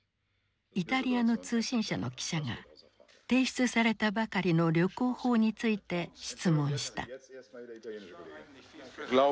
イタリアの通信社の記者が提出されたばかりの旅行法について質問した。